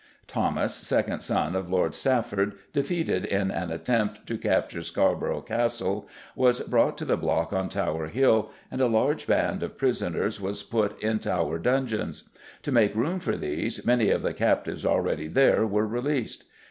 Thomas, second son of Lord Stafford, defeated in an attempt to capture Scarborough Castle, was brought to the block on Tower Hill, and a large band of prisoners was put in Tower dungeons. To make room for these, many of the captives already there were released.